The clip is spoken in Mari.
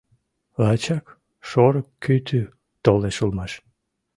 Лачак шорык кӱтӱ толеш улмаш.